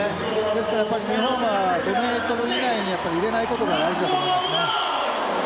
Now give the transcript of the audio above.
ですからやっぱり日本は５メートル以内に入れないことが大事だと思いますね。